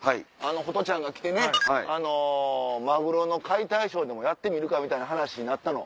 ホトちゃんが来てマグロの解体ショーやってみるかみたいな話になったの。